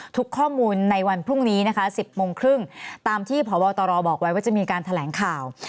ทุกข้อมูลในวันพรุ่งนี้นะคะ๑๐โมงครึ่งตามที่พบตรบอกไว้ว่าจะมีการแถลงข่าว